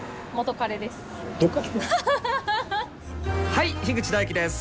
「はい口大喜です。